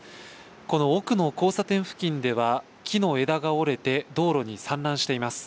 この奥の交差点付近では木の枝が折れて道路に散乱しています。